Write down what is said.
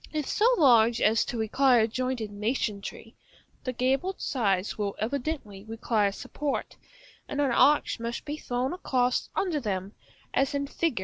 If so large as to require jointed masonry, the gabled sides will evidently require support, and an arch must be thrown across under them, as in Fig.